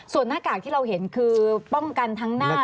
ส่วนหน้ากากที่เราเห็นคือป้องกันทั้งหน้า